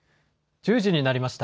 １０時になりました。